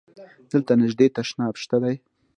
دلته نژدی تشناب شته؟